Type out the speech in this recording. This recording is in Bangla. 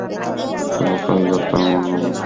কিন্তু টাইগার তাঁর মনের মতো ফ্ল্যাট খুঁজে পেয়েছেন।